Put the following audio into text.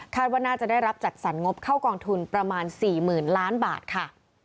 ว่าน่าจะได้รับจัดสรรงบเข้ากองทุนประมาณ๔๐๐๐ล้านบาทค่ะ